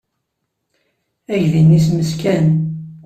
Aydi-nni isem-nnes Ken.